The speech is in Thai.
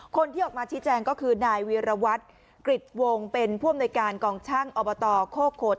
คนที่ออกมาชี้แจงก็คือนายวีรวัตรกริจวงเป็นผู้อำนวยการกองช่างอบตโคกโขด